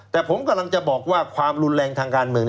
แต่ผมกำลังจะบอกว่าความรุนแรงทางการเมือง